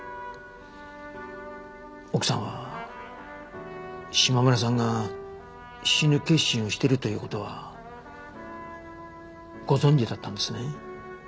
奥さんは島村さんが死ぬ決心をしてるという事はご存じだったんですね？